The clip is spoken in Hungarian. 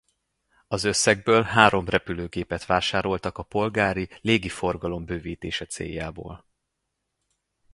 Az összegből három repülőgépet vásároltak a polgári légi forgalom bővítése céljából.